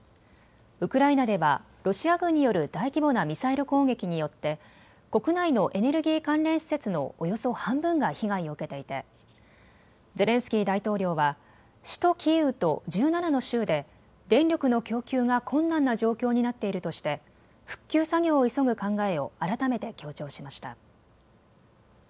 ウクライナではロシア軍による大規模なミサイル攻撃によって国内のエネルギー関連施設のおよそ半分が被害を受けていてゼレンスキー大統領は首都キーウと１７の州で電力の供給が困難な状況になっているとして復旧作業を急ぐ考えを改めて強調しました。